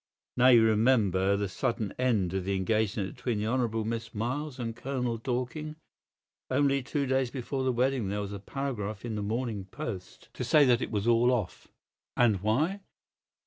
Now, you remember the sudden end of the engagement between the Honourable Miss Miles and Colonel Dorking? Only two days before the wedding there was a paragraph in the MORNING POST to say that it was all off. And why?